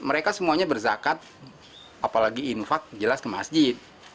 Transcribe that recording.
mereka semuanya berzakat apalagi infak jelas ke masjid